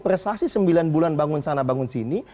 prestasi sembilan bulan bangun sana bangun sini